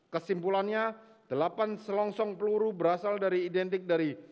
kesimpulannya delapan selongsong peluru berasal dari identik dari